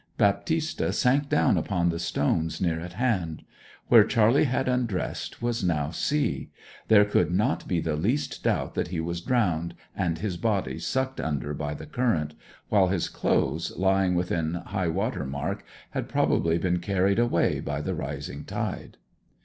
Baptista sank down upon the stones near at hand. Where Charley had undressed was now sea. There could not be the least doubt that he was drowned, and his body sucked under by the current; while his clothes, lying within high water mark, had probably been carried away by the rising tide.